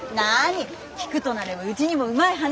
効くとなればうちにもうまい話。